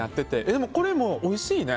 でも、これもおいしいね。